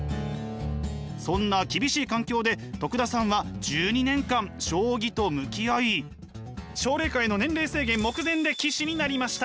そんな厳しい環境で徳田さんは１２年間将棋と向き合い奨励会の年齢制限目前で棋士になりました。